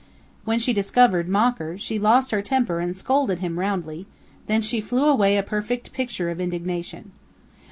When she discovered Mocker she lost her temper and scolded him roundly; then she flew away a perfect picture of indignation.